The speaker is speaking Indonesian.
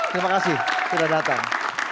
terima kasih sudah datang